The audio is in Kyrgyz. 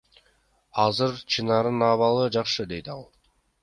Азыр Чынаранын абалы жакшы, — дейт ал.